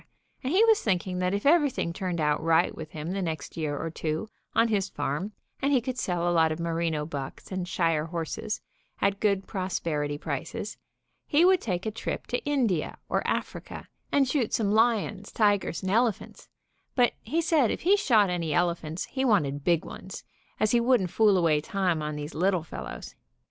and he was thinking that if everything turned out right with him the next year or two, on his farm, and he could sell a lot of merino bucks and shire horses at good prosperity prices, he would take a trip to India or Africa and shoot some lions, tigers and elephants, but he said if he shot any elephants he wanted big ones, as he wouldn't fool away time on these little fellows.